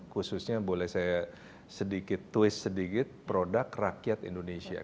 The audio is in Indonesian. khususnya boleh saya sedikit twist sedikit produk rakyat indonesia